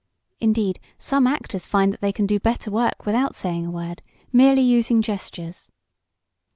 Indeed some actors find that they can do better work without saying a word merely using gestures.